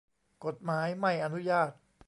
กฎหมายไม่อนุญาต